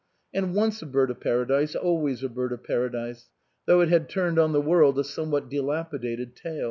And once a bird of paradise, always a bird of paradise, though it had turned on the world a somewhat dilapidated tail.